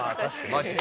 マジで。